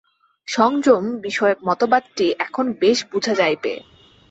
সংযম-বিষয়ক মতবাদটি এখন বেশ বুঝা যাইবে।